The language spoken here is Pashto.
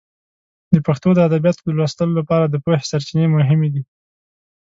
د پښتو د ادبیاتو د لوستلو لپاره د پوهې سرچینې مهمې دي.